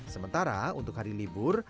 sementara untuk hari libur